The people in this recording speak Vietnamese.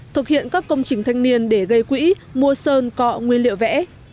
thực hiện các công trình thanh niên để gây quỹ mua sơn cọ nguyên liệu vẽ